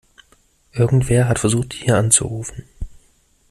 Irgendwer hat versucht, hier anzurufen.